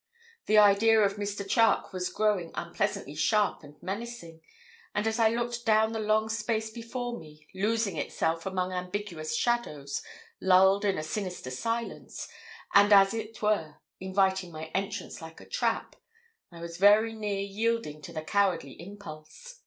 The idea of Mr. Charke was growing unpleasantly sharp and menacing; and as I looked down the long space before me, losing itself among ambiguous shadows, lulled in a sinister silence, and as it were inviting my entrance like a trap, I was very near yielding to the cowardly impulse.